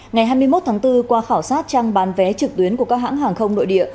ngày hai mươi một tháng bốn qua khảo sát trang bán vé trực tuyến của các hãng hàng không nội địa